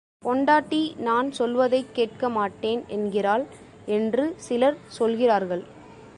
பெண்டாட்டி நான் சொல்வதைக் கேட்க மாட்டேன் என்கிறாள் என்று சிலர் சொல்கிறார்கள்.